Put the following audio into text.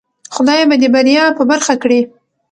خدای به دی بریا په برخه کړی